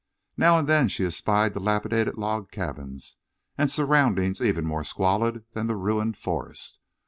Now and then she espied dilapidated log cabins and surroundings even more squalid than the ruined forest.